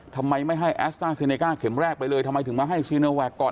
ทำไมไม่ให้แอสต้าเซเนก้าเข็มแรกไปเลยทำไมถึงมาให้ซีโนแวคก่อน